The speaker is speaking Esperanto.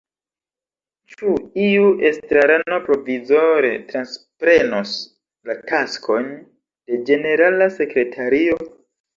Ĉu iu estrarano provizore transprenos la taskojn de ĝenerala sekretario?